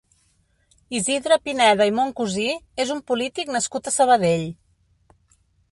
Isidre Pineda i Moncusí és un polític nascut a Sabadell.